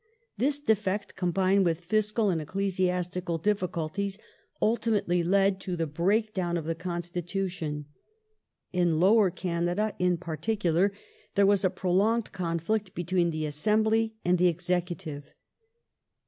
This defect, combined with fiscal and ecclesiastical difficulties, ultimately led to the breakdown of the Constitution. In Lower Canada, in particular, there was a prolonged conflict be tween the Assembly and the Executive.